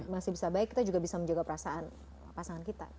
masih bisa baik kita juga bisa menjaga perasaan pasangan kita